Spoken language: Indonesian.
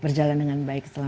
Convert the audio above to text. berjalan dengan baik selama